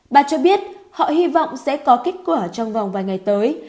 bà cho biết họ hy vọng sẽ có kết quả trong vòng vài ngày tới